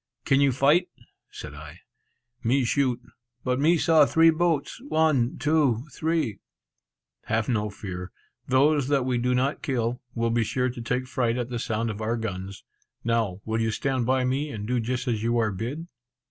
"Can you fight?" said I. "Me shoot; but me saw three boats; one, two, three!" "Have no fear; those that we do not kill, will be sure to take fright at the sound of our guns. Now will you stand by me, and do just as you are bid?"